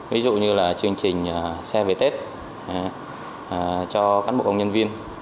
ví dụ như là chương trình xe về tết cho cán bộ công nhân viên